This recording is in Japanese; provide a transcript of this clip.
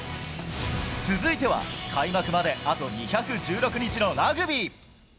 続いては、開幕まであと２１６日のラグビー。